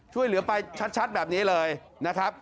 ช่วยเหลือไปชัดแบบนี้เลยนะครับ